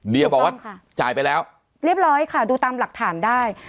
เดียบอกว่าจ่ายไปแล้วเรียบร้อยค่ะดูตามหลักฐานได้